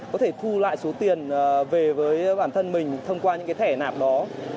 có thể thu lại số tiền về với bản thân mình thông qua những cái thẻ nạp đó